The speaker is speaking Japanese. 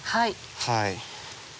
はい。